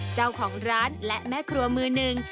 เจ้าของร้านและแม่ครัวมือหนึ่ง